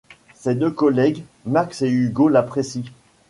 Ses deux collègues, Max et Hugo l’apprécient.